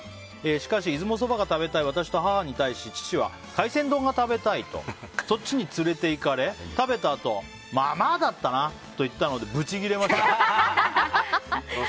しかし、出雲そばが食べたい私と母に対し父は、海鮮丼が食べたいとそっちに連れていかれ食べたあと、まあまあだったなと言ったのでブチギレました。